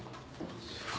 すごい。